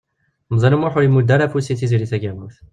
Meẓyan U Muḥ ur imudd ara afus i Tiziri Tagawawt.